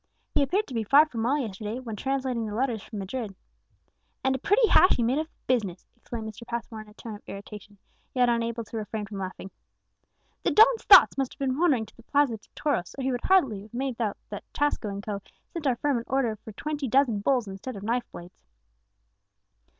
"He appeared to be far from well yesterday, when translating the letters from Madrid." "And a pretty hash he made of the business," exclaimed Mr. Passmore in a tone of irritation, yet unable to refrain from laughing. "The don's thoughts must have been wandering to the Plaza de Toros, or he would scarcely have made out that Tasco and Co. sent our firm an order for twenty dozen bulls instead of knife blades."